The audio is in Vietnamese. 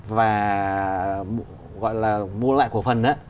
và gọi là mua lại của phần đó